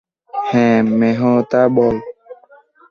হ্যাঁ, মেহতা, বল?